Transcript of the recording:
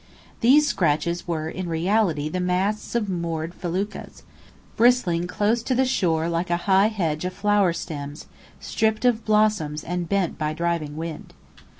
These scratches were in reality the masts of moored feluccas, bristling close to the shore like a high hedge of flower stems, stripped of blossoms and bent by driving wind.